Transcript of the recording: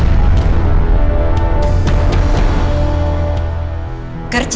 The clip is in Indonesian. tante aku mau ke tempatnya